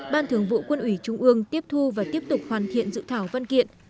ban thường vụ quân ủy trung ương tiếp thu và tiếp tục hoàn thiện dự thảo văn kiện